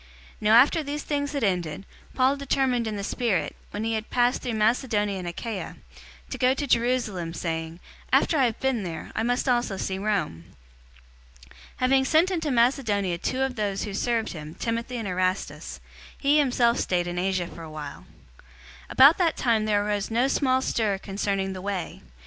019:021 Now after these things had ended, Paul determined in the spirit, when he had passed through Macedonia and Achaia, to go to Jerusalem, saying, "After I have been there, I must also see Rome." 019:022 Having sent into Macedonia two of those who served him, Timothy and Erastus, he himself stayed in Asia for a while. 019:023 About that time there arose no small stir concerning the Way.